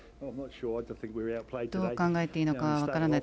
どう考えていいのか分からない。